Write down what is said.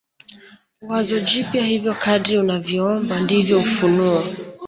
wazo jipya Hivyo kadri unavyoomba ndivyo ufunuo